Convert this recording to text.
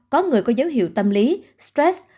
có người có dấu hiệu tâm lý stress